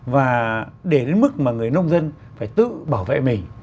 và để đến mức mà người nông dân phải tự bảo vệ mình